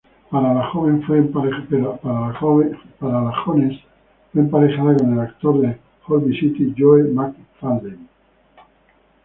Para la Jones fue emparejada con el actor de "Holby City", Joe McFadden.